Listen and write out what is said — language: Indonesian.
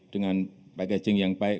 dengan packaging yang baik